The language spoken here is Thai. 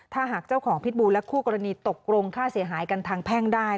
ถ้าหากเจ้าของพิษบูและคู่กรณีตกลงค่าเสียหายกันทางแพ่งได้